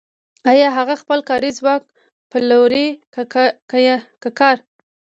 آیا هغه خپل کاري ځواک پلوري که کار